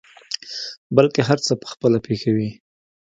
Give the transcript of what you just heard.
بلکې هر څه خپله پېښوي.